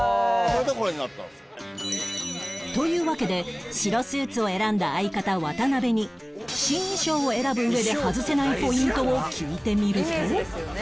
というわけで白スーツを選んだ相方渡辺に新衣装を選ぶ上で外せないポイントを聞いてみると